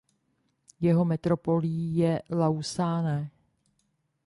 Jeho metropolí je Lausanne.